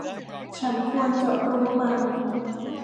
ฉันควรจะรู้มัน